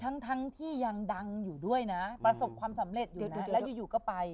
ทั้งทั้งที่ยังดังอยู่ด้วยนะประสบความสำเร็จอยู่แล้วอยู่ก็ไป